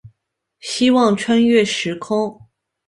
希望穿越时空